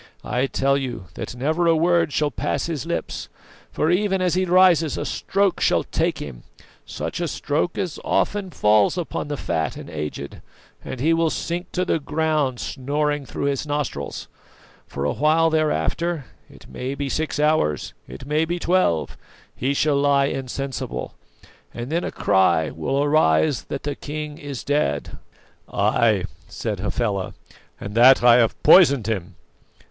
I tell you that never a word will pass his lips; for even as he rises a stroke shall take him, such a stroke as often falls upon the fat and aged, and he will sink to the ground snoring through his nostrils. For a while thereafter it may be six hours, it may be twelve he shall lie insensible, and then a cry will arise that the king is dead!" "Ay," said Hafela, "and that I have poisoned him!"